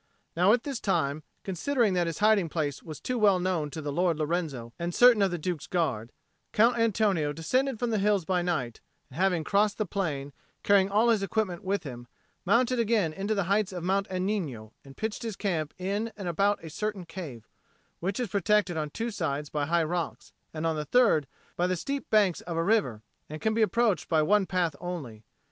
Now at this time, considering that his hiding place was too well known to the Lord Lorenzo and certain of the Duke's Guard, Count Antonio descended from the hills by night, and, having crossed the plain, carrying all his equipment with him, mounted again into the heights of Mount Agnino and pitched his camp in and about a certain cave, which is protected on two sides by high rocks and on the third by the steep banks of a river, and can be approached by one path only.